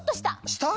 した？